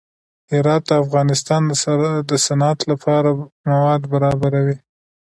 هرات د افغانستان د صنعت لپاره مواد برابروي.